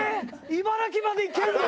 茨城まで行けるの！？